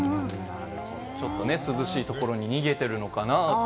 涼しいところに逃げているのかなと。